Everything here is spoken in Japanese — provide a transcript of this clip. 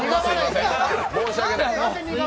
申し訳ない。